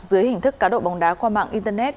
dưới hình thức cá độ bóng đá qua mạng internet